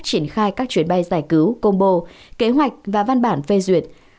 triển khai các chuyến bay giải cứu combo kế hoạch và văn bản phê duyệt